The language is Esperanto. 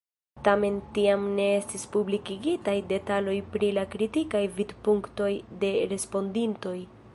Tamen tiam ne estis publikigitaj detaloj pri la kritikaj vidpunktoj de respondintoj.